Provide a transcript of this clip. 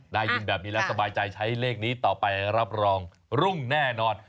ได้ยินแบบนี้แล้วสบายใจใช้เลขนี้ต่อไปรับรองรุ่งแน่นอน